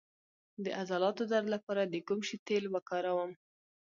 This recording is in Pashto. د عضلاتو درد لپاره د کوم شي تېل وکاروم؟